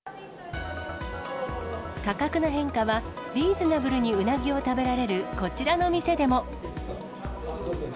価格の変化は、リーズナブルにうなぎを食べられるこちらの店でも。